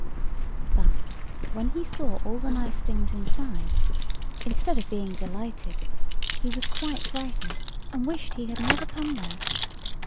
But, when he saw all the nice things inside, instead of being delighted, he was quite frightened, and wished he had never come there.